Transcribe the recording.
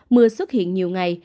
mưa xuất hiện nhiều ngày